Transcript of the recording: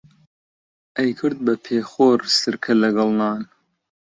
ئەیکرد بە پێخۆر سرکە لەگەڵ نان